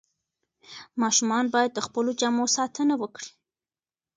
ماشومان باید د خپلو جامو ساتنه وکړي.